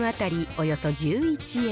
およそ１１円。